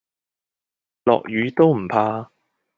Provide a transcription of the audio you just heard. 落雨都唔怕